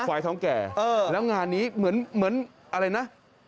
ควายท้องแก่แล้วงานนี้เหมือนอะไรนะ